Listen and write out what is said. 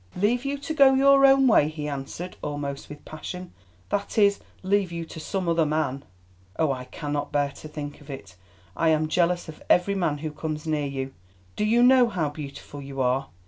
"Leave you to go your own way," he answered almost with passion—"that is, leave you to some other man. Oh! I cannot bear to think of it. I am jealous of every man who comes near you. Do you know how beautiful you are?